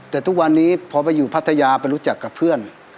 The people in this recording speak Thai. แต่ทุกวันนี้พอไปอยู่พัทยาไปรู้จักกับเพื่อน